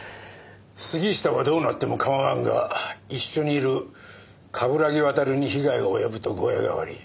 杉下はどうなっても構わんが一緒にいる冠城亘に被害が及ぶと具合が悪い。